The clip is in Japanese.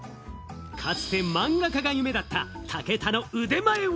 かつて漫画家が夢だった武田の腕前は。